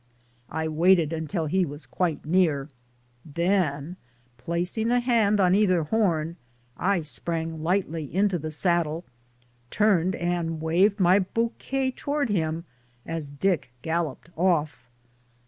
I waited until he was quite near, then placing a hand on either horn I sprang lightly into the saddle, turned and waved my bou quet toward him as Dick galloped off.